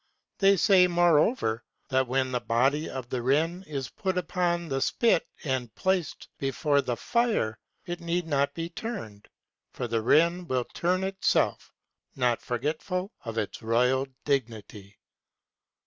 ... They say, more over, that when the body of the wren is put upon the spit and placed before the fire it need not be turned, for the wren will turn itself, not forgetful of its royal dignity.